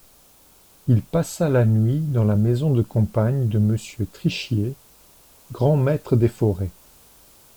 Il passa la nuit dans la maison de campagne de Monsieur Tritschier, grand-maître des forêts.